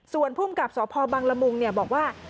ส่วนผู้อำกับสพบังลมุงบอกว่า